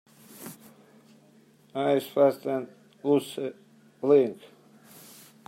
Is Fast and Loose playing